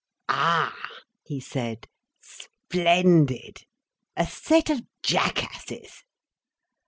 "Ah!" he said. "Splendid! A set of jackasses!"